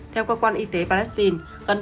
theo cơ quan y tế palestine